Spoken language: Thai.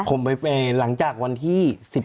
ผมไปไปหลังจากวันที่๑๘นี้